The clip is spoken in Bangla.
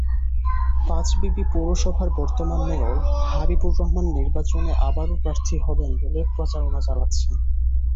পাঁচবিবি পৌরসভার বর্তমান মেয়র হাবিবুর রহমান নির্বাচনে আবারও প্রার্থী হবেন বলে প্রচারণা চালাচ্ছেন।